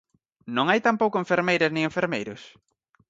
¿Non hai tampouco enfermeiras nin enfermeiros?